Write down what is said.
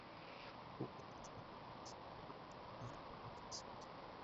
Jugó de delantero y a veces un poco retrasado por la banda izquierda.